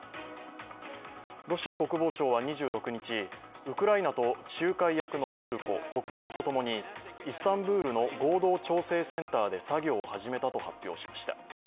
ロシア国防省は２６日、ウクライナと仲介役のトルコ、国連と共にイスタンブールの合同調整センターで作業を始めたと発表しました。